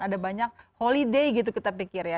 ada banyak holiday gitu kita pikir ya